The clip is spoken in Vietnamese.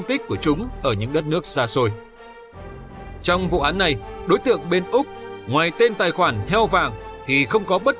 trong quá trình điều tra đối tượng bảo là đối tượng gây khó khăn cho cơ quan công an nhất